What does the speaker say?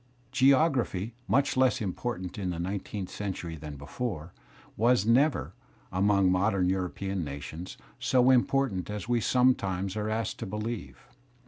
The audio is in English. Geography, much less important in the nineteenth century than before, was never, among modem European nations, so important as we sometimes are asked to believe.